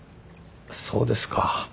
そうですか。